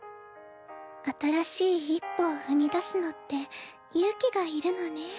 新しい一歩を踏み出すのって勇気がいるのね。